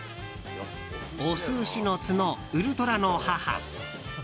オス牛の角、ウルトラの母。